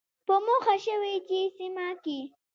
په موخه شوې چې سیمه کې